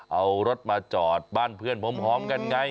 เอารถมาจอดบ้านเพื่อนพร้อมกันไง